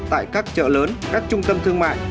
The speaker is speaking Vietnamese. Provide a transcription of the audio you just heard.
tại các chợ lớn các trung tâm thương mại